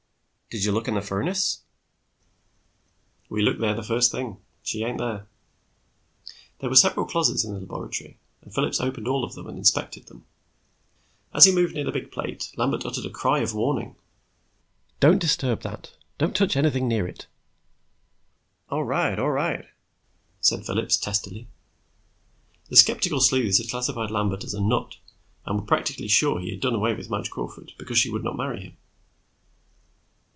"Did you look in the furnace?" "We looked there the first thing. She ain't there." There were several closets in the laboratory, and Phillips opened all of them and inspected them. As he moved near the big plate, Lambert uttered a cry of warning. "Don't disturb that, don't touch anything near it!" "All right, all right," said Phillips testily. The skeptical sleuths had classified Lambert as a "nut," and were practically sure he had done away with Madge Crawford because she would not marry him.